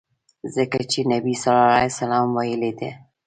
ځکه چي نبي ص ویلي دي.